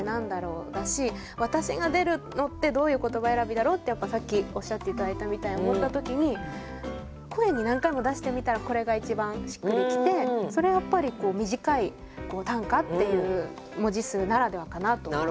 だし「私が出るのってどういう言葉選びだろう？」ってさっきおっしゃって頂いたみたいに思った時に声に何回も出してみたらこれが一番しっくり来てそれはやっぱり短い短歌っていう文字数ならではかなと思って。